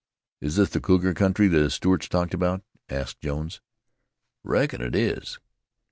"Is this the cougar country the Stewarts talked about?" asked Jones. "Reckon it is.